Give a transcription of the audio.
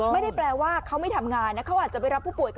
ไม่ได้แปลว่าเขาไม่ทำงานนะเขาอาจจะไปรับผู้ป่วย